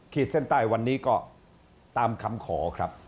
เส้นใต้วันนี้ก็ตามคำขอครับ